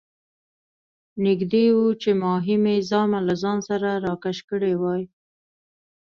نږدې وو چې ماهي مې زامه له ځان سره راکش کړې وای.